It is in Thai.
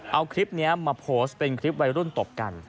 เอาคลิปนี้มาโพสต์เป็นคลิปวัยรุ่นตบกัน